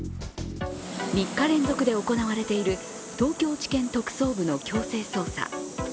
３日連続で行われている東京地検特捜部の強制捜査。